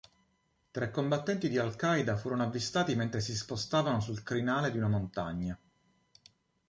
Tre combattenti di Al-Qaida furono avvistati mentre si spostavano sul crinale di una montagna.